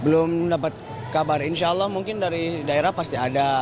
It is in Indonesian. belum dapat kabar insya allah mungkin dari daerah pasti ada